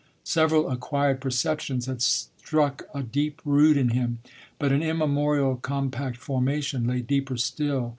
Several acquired perceptions had struck a deep root in him, but an immemorial, compact formation lay deeper still.